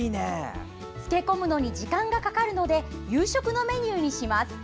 漬け込むのに時間がかかるので夕食のメニューにします。